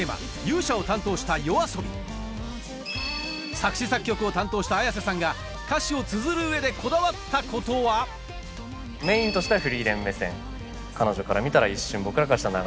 作詞作曲を担当したＡｙａｓｅさんが歌詞をつづる上でこだわったことは？と思ってるので。